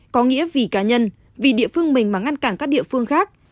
có nghĩa vì cá nhân vì địa phương mình mà ngăn cản các địa phương khác